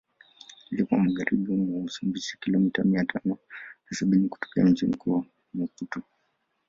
Lipo Magharibi mwa Msumbiji kilomita mia tano na sabini kutokea mji mkuu Maputo